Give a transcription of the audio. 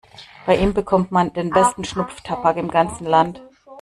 Bei ihm bekommt man den besten Schnupftabak im ganzen Land.